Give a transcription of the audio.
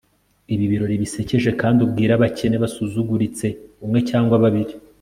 ibi birori bisekeje kandi ubwire abakene basuzuguritse umwe cyangwa babiri